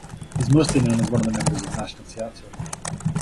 He is mostly known as one of the members of Nationalteatern.